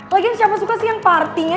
lagian siapa suka sih yang partinya